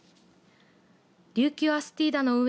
琉球アスティーダの運営